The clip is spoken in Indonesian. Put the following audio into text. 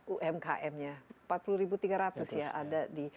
umkm nya empat puluh tiga ratus ya ada di